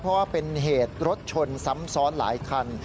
เพราะว่าเป็นเหตุรถชนซ้ำซ้อนหลายคัน